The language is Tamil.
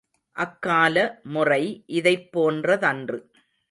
அக்கால முறை இதைப் போன்ற தன்று.